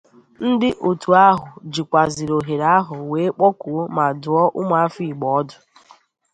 Ndị òtù ahụ jikwàzịrị ohere ahụ wee kpọkuo ma dụọ ụmụafọ Igbo ọdụ